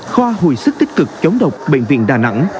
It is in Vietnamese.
khoa hồi sức tích cực chống độc bệnh viện đà nẵng